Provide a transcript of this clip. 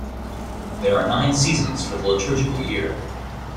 There are nine seasons for the liturgical year.